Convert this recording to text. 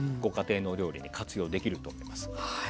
ご家庭のお料理に活用できると思います。